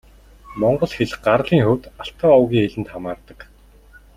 Монгол хэл гарлын хувьд Алтай овгийн хэлэнд хамаардаг.